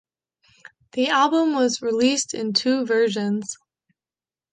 The album was released in two versions.